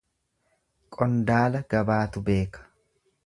Qondaala gabaatu beeka.